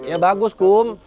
ya bagus kum